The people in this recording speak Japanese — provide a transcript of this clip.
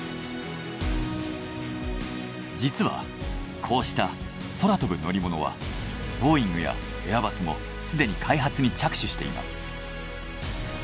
実はこうした空飛ぶ乗り物はボーイングやエアバスもすでに開発に着手しています。